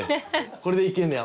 これでいけんねや。